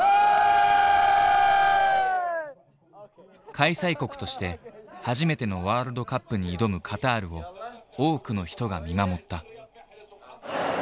開催国として初めてのワールドカップに挑むカタールを多くの人が見守った。